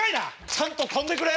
ちゃんと跳んでくれ。